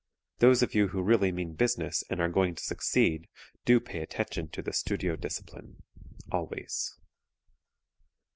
Those of you who really mean business and are going to succeed do pay attention to the studio discipline, always.